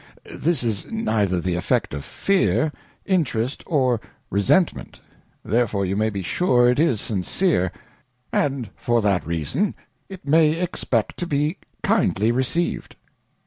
This is neither the Effect of Fear, Interest, or Resentment ; therefore you may be sure it is sincere : and for that reason it may expect to be Icindly received.